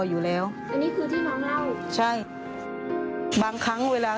ใช่คือที่น้องเล่า